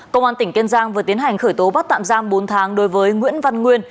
công an tỉnh kiên giang vừa tiến hành khởi tố bắt tạm giam bốn tháng đối với nguyễn văn nguyên